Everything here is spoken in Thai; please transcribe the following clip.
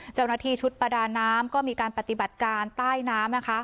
เจ้าหน้าที่ชุดประดาน้ำก็มีการปฏิบัติการใต้น้ำนะคะ